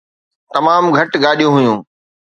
تمام گهٽ گاڏيون هيون.